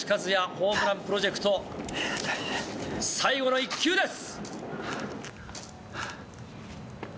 ホームランプロジェクト、最後の１球です。